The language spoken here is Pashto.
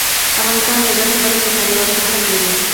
افغانستان د ګاز په برخه کې نړیوال شهرت لري.